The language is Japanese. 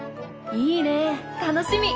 いいね楽しみ！